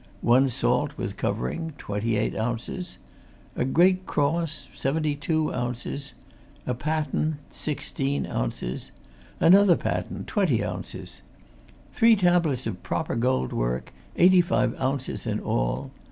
One salt, with covering, twenty eight ounces. A great cross, seventy two ounces. A paten, sixteen ounces. Another paten, twenty ounces. Three tablets of proper gold work, eighty five ounces in all.